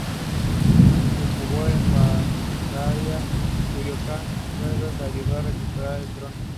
Se fugó a Bulgaria, cuyo kan, Tervel, le ayudó a recuperar el trono.